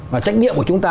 và trách nhiệm của chúng ta